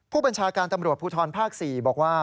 ผู้บัญชาการตำรวจภูทรภาค๔บอกว่า